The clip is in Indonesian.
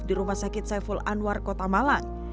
di rumah sakit saiful anwar kota malang